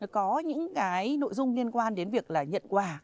có những nội dung liên quan đến việc nhận quà